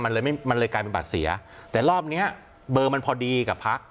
มันเลยไม่มันเลยกลายเป็นบัตรเสียแต่รอบเนี้ยเบอร์มันพอดีกับพระ